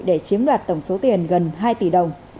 để chiếm đoạt tổng số tiền gần hai tỷ đồng